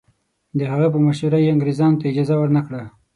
د هغه په مشوره یې انګریزانو ته اجازه ورنه کړه.